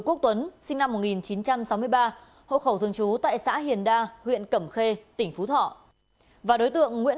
quốc tuấn sinh năm một nghìn chín trăm sáu mươi ba hộ khẩu thường trú tại xã hiền đa huyện cẩm khê tỉnh phú thọ và đối tượng nguyễn